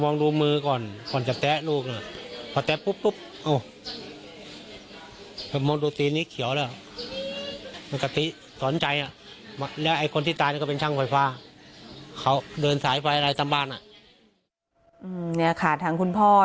เนี้ยค่ะทางคุณพ่อทางญาติญ่าย่าง